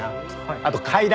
あと階段。